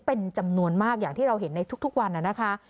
เป็นจำนวนมากอย่างที่เราเห็นในทุกวันนะคะ